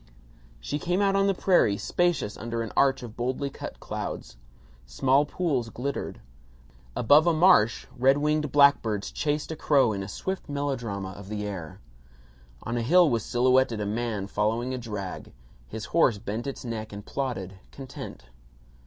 She came out on the prairie, spacious under an arch of boldly cut clouds. Small pools glittered. Above a marsh red winged blackbirds chased a crow in a swift melodrama of the air. On a hill was silhouetted a man following a drag. His horse bent its neck and plodded, content.